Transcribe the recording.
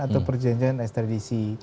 atau perjanjian extradisi